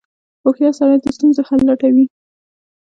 • هوښیار سړی د ستونزو حل لټوي.